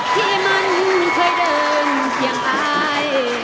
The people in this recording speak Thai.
ที่มันค่อยเดินอย่างอาย